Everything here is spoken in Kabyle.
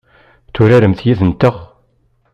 Ad turaremt yid-nteɣ?